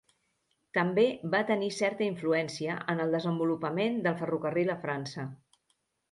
També va tenir certa influència en el desenvolupament del ferrocarril a França.